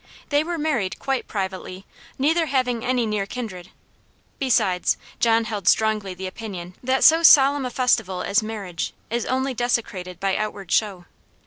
They were married quite privately, neither having any near kindred. Besides, John held strongly the opinion that so solemn a festival as marriage is only desecrated by outward show.